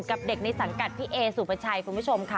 กับเด็กในสังกัดพี่เอสุภาชัยคุณผู้ชมค่ะ